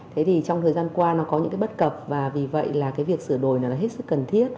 thế thì trong thời gian qua nó có những cái bất cập và vì vậy là cái việc sửa đổi này là hết sức cần thiết